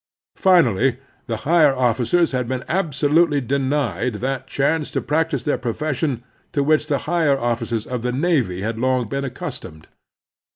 Finally, the higher officers had been absolutely denied that chance to practise their profession to which the 176 The Strenuous Life higher officers of the navy had long been accus tomed.